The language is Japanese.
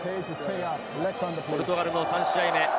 ポルトガルの３試合目。